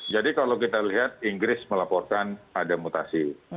jadi kalau kita lihat inggris melaporkan ada mutasi